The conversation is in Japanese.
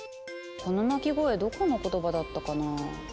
この鳴き声どこの言葉だったかなぁ。